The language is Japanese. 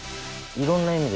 いろんな意味で。